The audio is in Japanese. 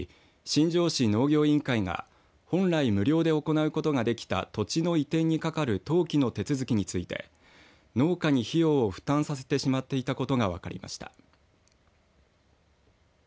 新庄市農業委員会が本来、無料で行うことができた土地の移転にかかる登記の手続きについて農家に費用を負担させてしまっていたことが分かりました。